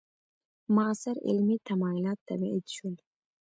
معاصر علمي تمایلات تبعید شول.